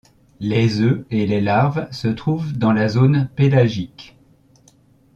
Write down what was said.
Les œufs et les larves se trouvent dans la zone pélagique.